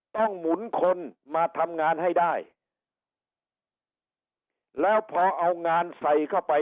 หมุนคนมาทำงานให้ได้แล้วพอเอางานใส่เข้าไป